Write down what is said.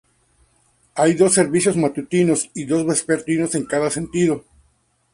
Hay dos servicios matutinos y dos vespertinos en cada sentido.